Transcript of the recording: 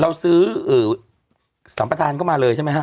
เราซื้อสัมประธานเข้ามาเลยใช่ไหมฮะ